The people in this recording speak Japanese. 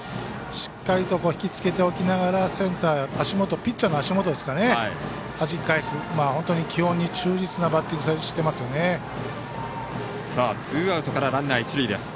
しっかりと引き付けておきながらセンター、ピッチャーの足元へはじき返す、本当に基本に忠実なバッティングしてますよね。